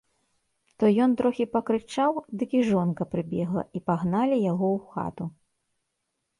То ён трохі пакрычаў, дык і жонка прыбегла, і пагналі яго ў хату.